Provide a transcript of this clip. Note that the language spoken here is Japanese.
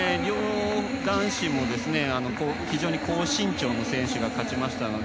男子も非常に高身長の選手が勝ちましたので。